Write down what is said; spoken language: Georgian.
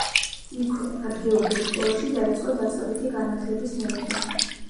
იქვე, ადგილობრივ სკოლაში დაიწყო დაწყებითი განათლების მიღება.